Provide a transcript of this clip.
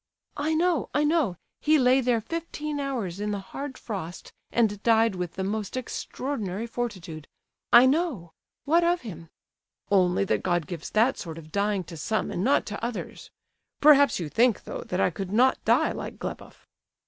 "I know, I know! He lay there fifteen hours in the hard frost, and died with the most extraordinary fortitude—I know—what of him?" "Only that God gives that sort of dying to some, and not to others. Perhaps you think, though, that I could not die like Gleboff?"